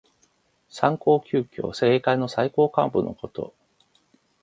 三公九卿。政界の最高幹部のこと。